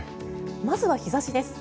まずは日差しです。